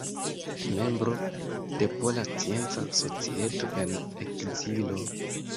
Membro de Pola Scienca Societo en Ekzilo.